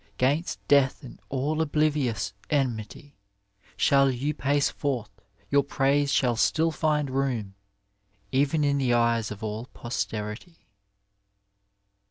'Gainst death and all obliyiouA enmity Shall you pace forth ; your praise shall still find room Even in the eyed of all poBterity.